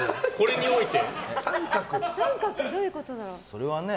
それはね